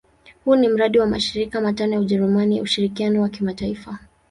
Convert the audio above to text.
Huu ni mradi wa mashirika matano ya Ujerumani ya ushirikiano wa kimataifa.